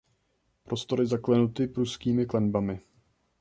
Prostory zaklenuty pruskými klenbami.